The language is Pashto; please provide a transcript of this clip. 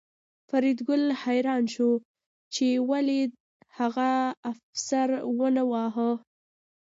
فریدګل حیران شو چې ولې هغه افسر ونه واهه